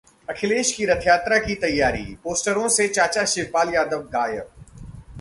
अखिलेश की रथयात्रा की तैयारी, पोस्टरों से चाचा शिवपाल यादव गायब